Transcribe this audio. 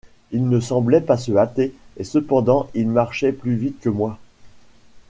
Ils ne semblaient pas se hâter, et cependant ils marchaient plus vite que moi.